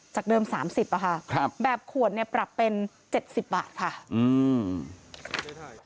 จากเดิมสามสิบอ่ะค่ะครับแบบขวดเนี่ยปรับเป็นเจ็ดสิบบาทค่ะอืม